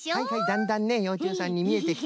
だんだんねようちゅうさんにみえてきた。